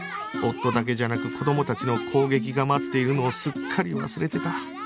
夫だけじゃなく子供たちの攻撃が待っているのをすっかり忘れてた